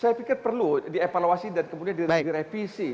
saya pikir perlu dievaluasi dan kemudian direvisi